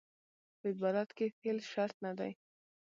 په عبارت کښي فعل شرط نه دئ.